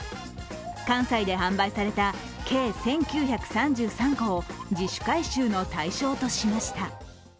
関西で販売された計１９３３個を自主回収の対象としました。